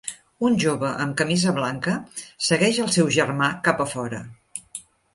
Un jove amb camisa blanca segueix el seu germà cap a fora.